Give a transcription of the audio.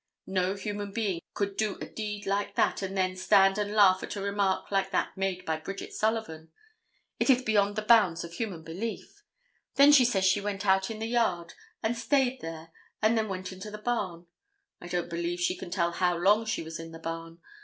No human being could do a deed like that and then stand and laugh at a remark like that made by Bridget Sullivan. It is beyond the bounds of human belief. Then she says she went out in the yard and stayed there, and then went into the barn. I don't believe she can tell how long she was in the barn.